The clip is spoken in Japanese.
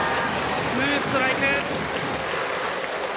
ツーストライク。